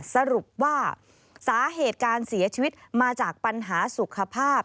สรุปว่าสาเหตุการเสียชีวิตมาจากปัญหาสุขภาพ